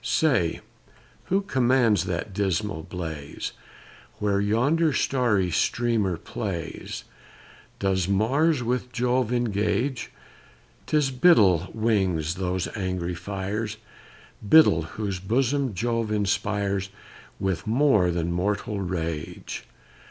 Say, who commands that dismal blaze, Where yonder starry streamer plays; Does Mars with Jove engage! 'Tis Biddle wings those angry fires, Biddle, whose bosom Jove inspires With more than mortal rage.